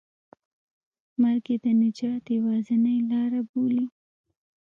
مرګ یې د نجات یوازینۍ لاره بولي.